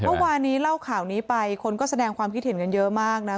เมื่อวานนี้เล่าข่าวนี้ไปคนก็แสดงความคิดเห็นกันเยอะมากนะ